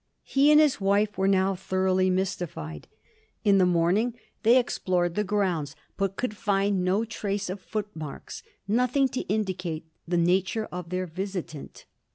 He and his wife were now thoroughly mystified. In the morning they explored the grounds, but could find no trace of footmarks, nothing to indicate the nature of their visitant.